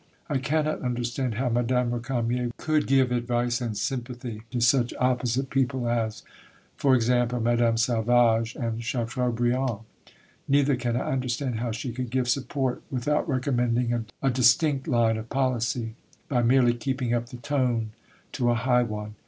... I cannot understand how M^{me} Récamier could give "advice and sympathy" to such opposite people as, e.g. M^{me} Salvage and Chateaubriand. Neither can I understand how she could give "support" without recommending a distinct line of policy, by merely keeping up the tone to a high one.